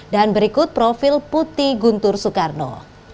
dan berikut profil putih guntur soekarno